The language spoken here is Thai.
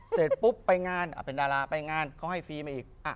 เสร็จปุ๊บไปงานเป็นดาราไปงานเขาให้ฟรีมาอีก